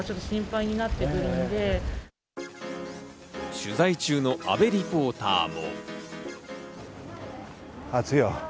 取材中の阿部リポーターも。